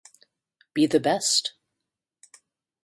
Be The Best.